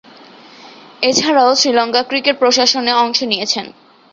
এছাড়াও শ্রীলঙ্কা ক্রিকেট প্রশাসনে অংশ নিয়েছেন।